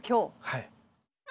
はい。